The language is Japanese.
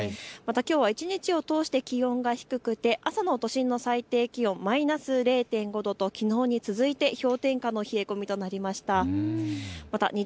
また、きょうは一日を通して気温が低くて朝も都心の最低気温、マイナス０．５度ときのうに続いて氷点下の冷え込みとなりました。